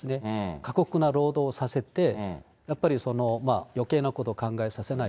過酷な労働をさせて、やっぱりよけいなことを考えさせない。